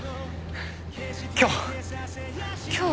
今日？